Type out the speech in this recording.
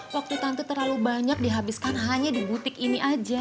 waktu tante terlalu banyak dihabiskan hanya di butik ini aja